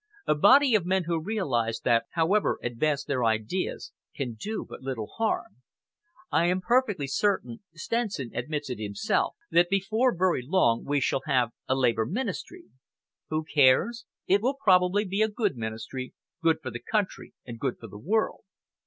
A body of men who realise that, however advanced their ideas, can do but little harm. I am perfectly certain Stenson admits it himself that before very long we shall have a Labour Ministry. Who cares? It will probably be a good ministry good for the country and good for the world.